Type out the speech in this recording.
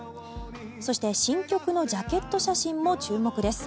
そして、新曲のジャケット写真も注目です。